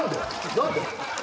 何で！？